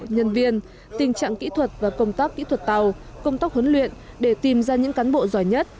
nhân viên tình trạng kỹ thuật và công tác kỹ thuật tàu công tác huấn luyện để tìm ra những cán bộ giỏi nhất